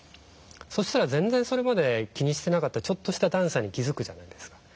そしたら全然それまで気にしてなかったちょっとした段差に気付くじゃないですか。